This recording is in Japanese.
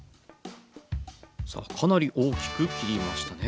さあかなり大きく切りましたね。